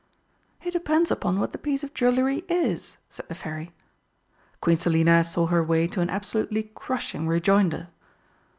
"It depends upon what the piece of jewellery is," said the Fairy. Queen Selina saw her way to an absolutely crushing rejoinder.